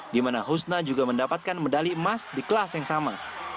di mana husna juga mendapatkan medali emas di kelas yang sama